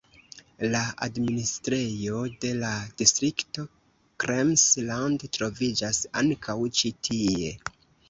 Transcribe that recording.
La administrejo de la distrikto Krems-Land troviĝas ankaŭ ĉi tie.